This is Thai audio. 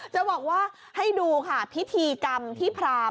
จะบอกว่าให้ดูค่ะพิธีกรรมที่พราม